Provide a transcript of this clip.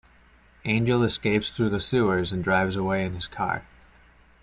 Angel escapes through the sewers and drives away in his car.